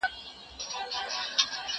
هغه وويل چي خبري ګټوري دي!!